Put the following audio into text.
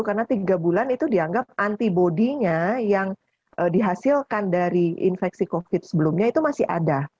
karena tiga bulan itu dianggap antibody nya yang dihasilkan dari infeksi covid sebelumnya itu masih ada